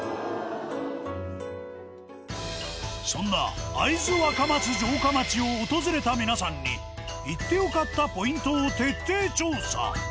そんな会津若松城下町を訪れた皆さんに行って良かったポイントを徹底調査。